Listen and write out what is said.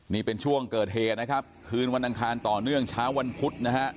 นี่เป็นช่วงเกิดเหตุนะครับคืนวันอังคารต่อเนื่องเช้าวันพุธนะฮะ